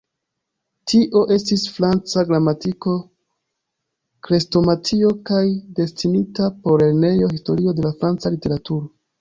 Tio estis franca gramatiko, krestomatio kaj destinita por lernejoj historio de la franca literaturo.